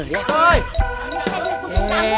tuh saya udah dipanggil